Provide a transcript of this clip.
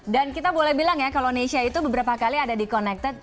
dan kita boleh bilang ya kalau nesha itu beberapa kali ada di connected